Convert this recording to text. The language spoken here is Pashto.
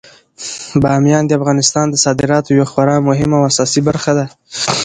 بامیان د افغانستان د صادراتو یوه خورا مهمه او اساسي برخه ده.